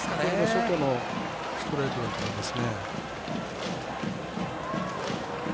外のストレートだと思います。